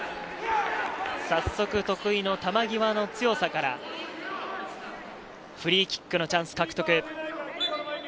早速、得意の球際の強さからフリーキックのチャンス獲得。